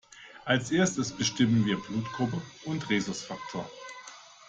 Als Erstes bestimmen wir Blutgruppe und Rhesusfaktor.